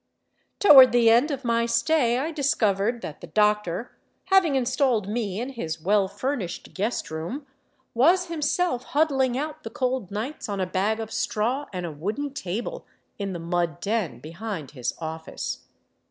Toward the end of my stay I discovered that the doctor, having installed me in his well fur nished " guest room," was himself huddling out the cold nights on a bag of straw and a wooden table in the mud den behind his " office."